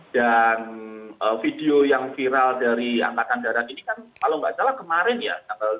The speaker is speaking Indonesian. dan video yang viral dari angkatan darat ini kan kalau nggak salah kemarin ya